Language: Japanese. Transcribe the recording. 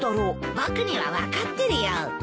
僕には分かってるよ。